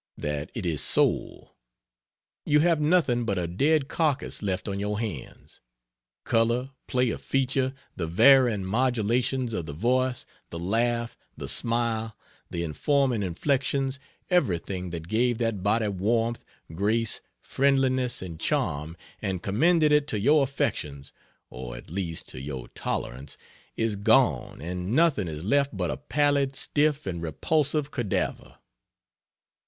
That is its soul. You have nothing but a dead carcass left on your hands. Color, play of feature, the varying modulations of the voice, the laugh, the smile, the informing inflections, everything that gave that body warmth, grace, friendliness and charm and commended it to your affections or, at least, to your tolerance is gone and nothing is left but a pallid, stiff and repulsive cadaver.